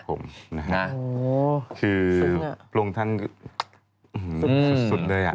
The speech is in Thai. คือโรงทางสุดด้วย